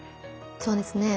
そうですね。